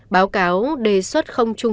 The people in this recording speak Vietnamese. báo cáo đề xuất